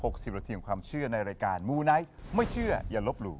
สิบนาทีของความเชื่อในรายการมูไนท์ไม่เชื่ออย่าลบหลู่